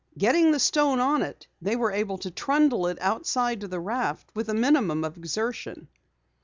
Getting the stone on it, they were able to trundle it outside to the raft with a minimum of exertion.